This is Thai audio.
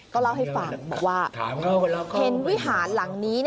ก็เล่าให้ฟังบอกว่าเห็นวิหารหลังนี้